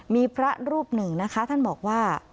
มีพระรูปหนึ่งนะคะท่านบอกว่า